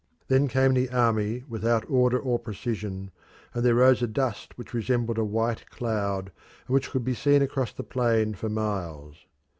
Then came the army without order or precision, and there rose a dust which resembled a white cloud, and which could be seen across the plain for miles.